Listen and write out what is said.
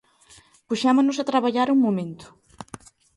Puxémonos a traballar ao momento.